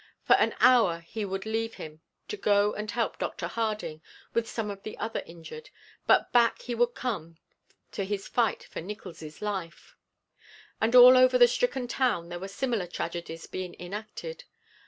For an hour he would leave him to go and help Dr. Harding with some of the other injured, but back he would come to his fight for Nickols' life. And all over the stricken town there were similar tragedies being enacted.